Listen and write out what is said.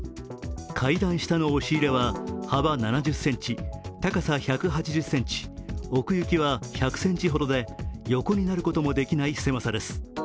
階段下の押し入れは、幅７０ｃｍ、高さ１８０ｃｍ、奥行きは１００ｃｍほどで横になることもできない狭さです。